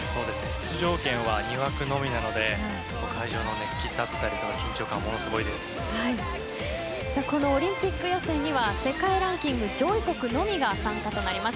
出場圏は２枠のみなので会場の熱気だったりこのオリンピック予選には世界ランキング上位国のみが参加となります。